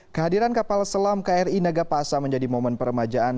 kehadiran kapal selam kri nagapasa menjadi momen permajaan